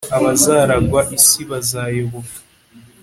abazaragwa isi bazayoboka